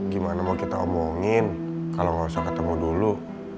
gimana mau kita omongin kalau nggak usah ketemu dulu